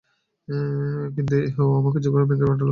কিন্তু ও আমাকে জোর করে ব্যাংকে পাঠালো।